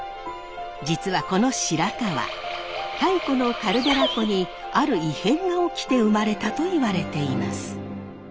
実はこの白川太古のカルデラ湖にある異変が起きて生まれたといわれています。